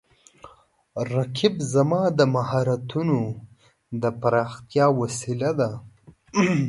رقیب زما د مهارتونو د پراختیا وسیله ده